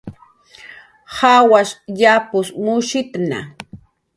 Jawash japus mushitna